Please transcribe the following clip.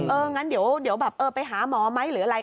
เอองั้นเดี๋ยวไปหาหมอไหมหรืออะไร